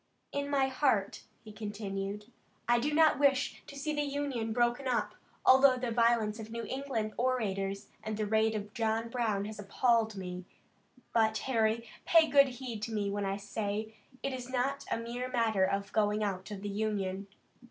"In my heart," he continued, "I do not wish to see the Union broken up, although the violence of New England orators and the raid of John Brown has appalled me. But, Harry, pay good heed to me when I say it is not a mere matter of going out of the Union.